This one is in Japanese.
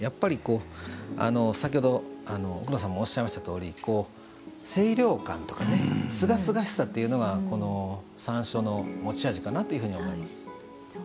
先ほど、奥野さんもおっしゃりましたとおり清涼感とかすがすがしさというのが山椒の持ち味かなと思います。